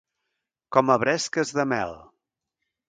Com a bresques de mel.